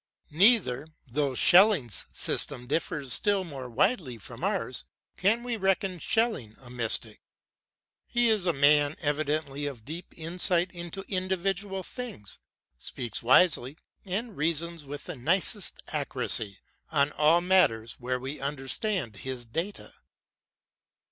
Nei ther, though Schelling's system differs still more widely from ours, can we reckon Schelling a mystic. He is a man evidently of deep insight into individual things; speaks wisely, and reasons with the nicest accuracy, on all matters where we understand his data.